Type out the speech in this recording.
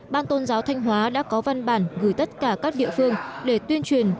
ban tôn giáo thanh hóa đã có văn bản gửi tất cả các địa phương để tuyên truyền